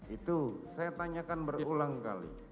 itu saya tanyakan berulang kali